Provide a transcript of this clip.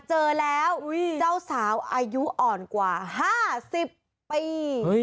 เจอแล้วเจ้าสาวอายุอ่อนกว่า๕๐ปี